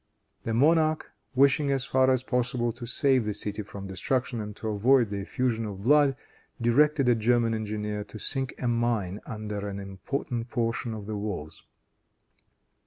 The monarch, wishing as far as possible to save the city from destruction, and to avoid the effusion of blood, directed a German engineer to sink a mine under an important portion of the walls.